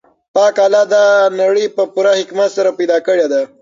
پاک الله دا نړۍ په پوره حکمت سره پیدا کړې ده.